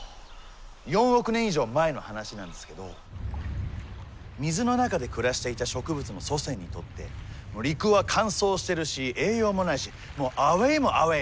４億年以上前の話なんですけど水の中で暮らしていた植物の祖先にとって陸は乾燥してるし栄養もないしもうアウェーもアウェー。